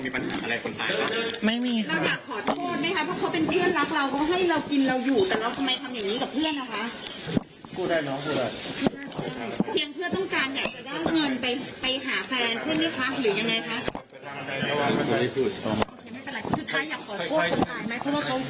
เพียงเพื่อต้องการอยากจะได้เงินไปหาแฟนใช่ไหมคะหรือยังไงคะ